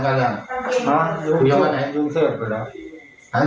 จัดกระบวนพร้อมกัน